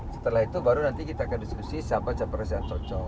setelah itu baru nanti kita akan diskusi siapa capres yang cocok